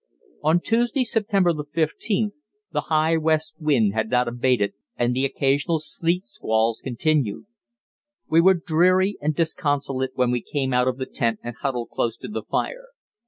On Tuesday (September 15th) the high west wind had not abated, and the occasional sleet squalls continued. We were dreary and disconsolate when we came out of the tent and huddled close to the fire.